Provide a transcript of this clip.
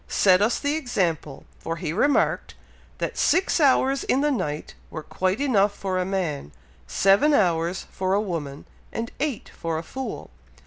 set us the example, for he remarked, that six hours in the night were quite enough for a man seven hours for a woman, and eight for a fool.